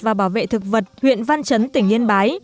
và bảo vệ thực vật huyện văn chấn tỉnh yên bái